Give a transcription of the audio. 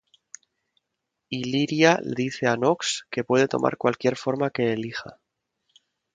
Illyria le dice a Knox que puede tomar cualquier forma que elija.